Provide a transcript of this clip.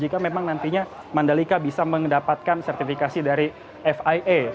jika memang nantinya mandalika bisa mendapatkan sertifikasi dari fia